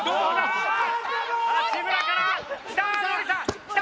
八村からきた！